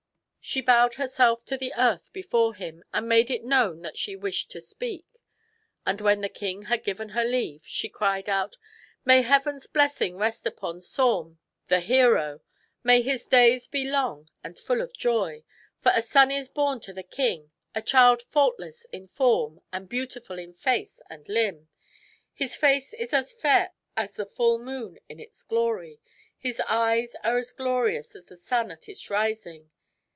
She bowed herself to the earth before him and made it known that she wished to speak. And when the king had given her leave, she cried out: —" May heaven's blessing rest upon Saum, the hero ! May his days be long and full of joy ! For a son is born to the king — a child faultless in form and beautiful in face and limb. His face is as fair as the full moon in its glory. His eyes are as glorious as the sun at its rising.